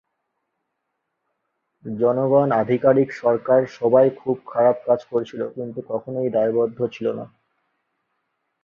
জনগণ, আধিকারিক, সরকার সবাই খুব খারাপ কাজ করছিল কিন্তু কখনই দায়বদ্ধ ছিল না।